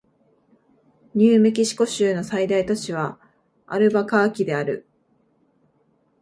ニューメキシコ州の最大都市はアルバカーキである